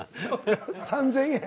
３，０００円。